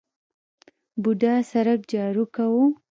بوډا سرک جارو کاوه.